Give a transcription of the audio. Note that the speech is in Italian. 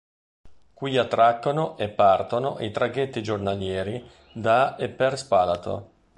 Qui attraccano e partono i traghetti giornalieri da e per Spalato.